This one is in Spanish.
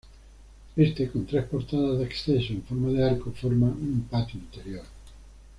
Este, con tres portadas de acceso en forma de arco, forma un patio interior.